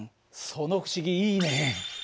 その不思議いいね。